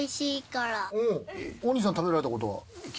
お兄さん食べられたことは？